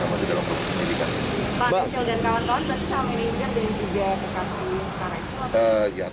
pak rachel dan kawan kawan berarti sama ini juga dan juga kekasih rachel